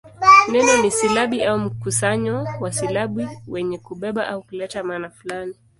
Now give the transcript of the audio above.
Neno ni silabi au mkusanyo wa silabi wenye kubeba au kuleta maana fulani.